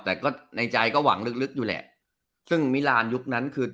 แต่ก็ในใจก็หวังลึกลึกอยู่แหละซึ่งมิรานยุคนั้นคือ